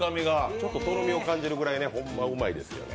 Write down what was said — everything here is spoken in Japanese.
ちょっととろみを感じるぐらい、ホンマうまいですよね。